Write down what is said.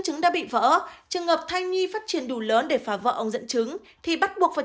chứng đã bị vỡ trường hợp thai nhi phát triển đủ lớn để phá vỡ ông dẫn chứng thì bắt buộc phải